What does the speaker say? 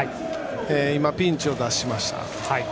今ピンチを脱しました。